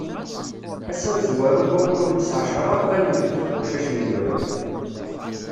Ass amezwaru n waggur wis ɛecṛa, banent-d tqucac n idurar.